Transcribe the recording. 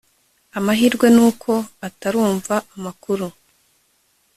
amahirwe nuko atarumva amakuru